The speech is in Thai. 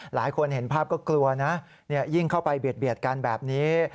หลายคนเห็นภาพก็กลัวนะยิ่งเข้าไปเบียดกันแบบนี้